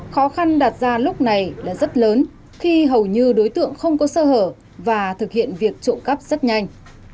khó khăn đạt ra lúc này là rất lớn khi hầu như đối tượng không có sơ hở và thực hiện việc trộm cắp rất nhanh